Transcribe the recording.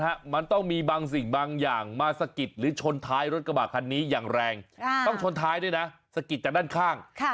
หรือว่าแซงมาแซงมาอย่างงี้พี่อาร์ม